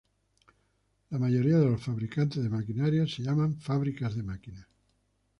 La mayoría de los fabricantes de maquinaria se llaman fábricas de máquinas.